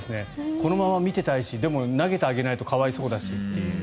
このまま見ていたいしでも投げてあげないと可哀想だしという。